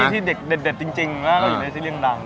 ที่เด็ดจริงแล้วก็อยู่ในซีรีส์ดัง